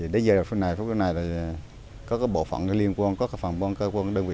đến giờ phần này là các bộ phòng liên quan các phòng bôn cơ quan đơn vị